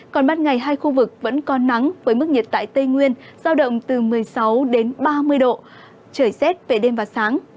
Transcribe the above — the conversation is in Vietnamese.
còn bắt ngày hai khu vực vẫn có nắng với mức nhiệt tại tây nguyên giao động từ một mươi sáu đến ba mươi độ trời rét về đêm và sáng